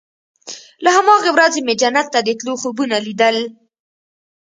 له هماغې ورځې مې جنت ته د تلو خوبونه ليدل.